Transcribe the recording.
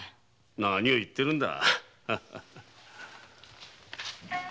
何を言ってるんだ。